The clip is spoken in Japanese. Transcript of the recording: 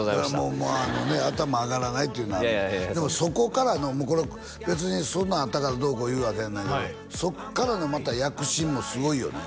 もうあのね頭上がらないっていうのはでもそこからのこれ別にそんなんあったからどうこういうわけやないけどそっからのまた躍進もすごいよね